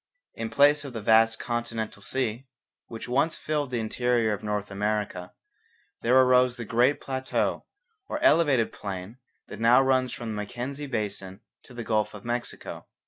In place of the vast 'Continental Sea,' which once filled the interior of North America, there arose the great plateau or elevated plain that now runs from the Mackenzie basin to the Gulf of Mexico.